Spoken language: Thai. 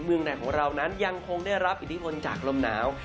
เมืองไหนของเรานั้นยังคงได้รับอิทธิพลจากลมหนาว